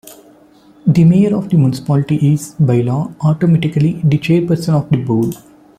The Mayor of the municipality is, by law, automatically the Chairperson of the board.